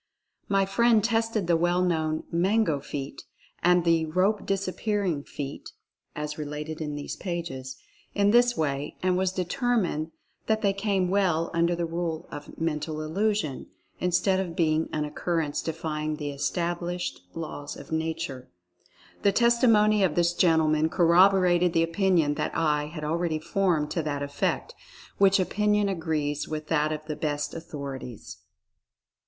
My friend tested the well known "Mango feat" and the "Rope disappear ing feat" (as related in these pages) in this way and determined that they came well under the rule of "Mental Illusion," instead of being an occurrence defying the established laws of Nature. The testi mony of this gentleman corroborated the opinion that I had already formed to that effect, which opinion agrees with that of the best authorities.